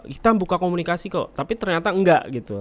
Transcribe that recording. kita buka komunikasi kok tapi ternyata enggak gitu